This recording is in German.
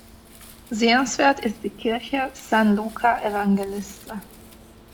Sehenswert ist die Kirche "San Luca Evangelista".